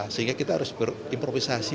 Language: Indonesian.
sehingga kita harus berimprovisasi